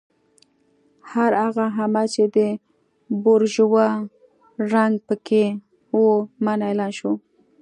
هر هغه عمل چې د بورژوا رنګ پکې و منع اعلان شو.